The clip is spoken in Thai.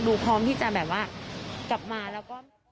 ดูพร้อมที่จะกลับมาแล้วก็